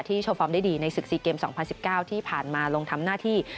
โชว์ฟอร์มได้ดีในศึก๔เกม๒๐๑๙ที่ผ่านมาลงทำหน้าที่